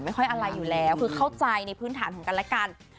ค่อยอะไรอยู่แล้วคือเข้าใจในพื้นฐานของกันและกัน